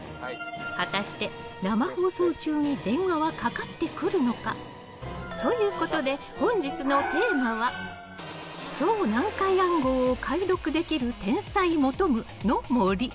果たして、生放送中に電話はかかってくるのか。ということで、本日のテーマは超難解暗号を解読できる天才求む！の森。